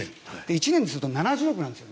１年にすると７０億なんです。